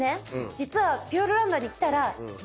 実は。